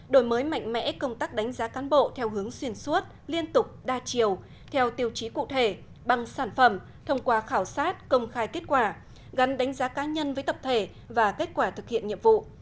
đổi mới mạnh mẽ công tác đánh giá cán bộ theo hướng xuyên suốt liên tục đa chiều theo tiêu chí cụ thể bằng sản phẩm thông qua khảo sát công khai kết quả gắn đánh giá cá nhân với tập thể và kết quả thực hiện nhiệm vụ